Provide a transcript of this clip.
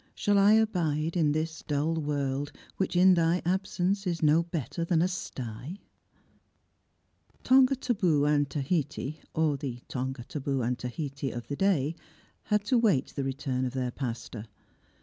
Shall I abide In this dull world, which in thy absence is No better than a sty ?" ToNGATABOO and Taheiti— or the Tongataboo and Taheiti of the da.y — had to wait the return of their pastor.